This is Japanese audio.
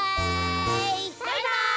バイバイ！